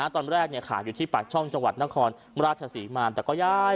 ตอนแรกขายอยู่ที่ปากช่องจังหวัดนครราชศรีมาแต่ก็ย้าย